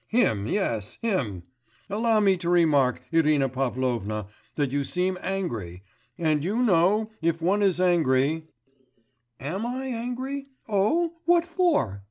'Him ... yes, him. Allow me to remark, Irina Pavlovna, that you seem angry; and you know if one is angry ' 'Am I angry? Oh, what for?